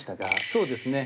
そうですね。